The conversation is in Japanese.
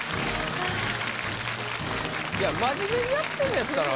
いや真面目にやってんのやったら。